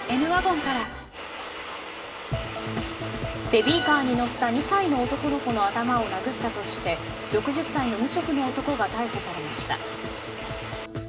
ベビーカーに乗った２歳の男の子の頭を殴ったとして６０歳の無職の男が逮捕されました。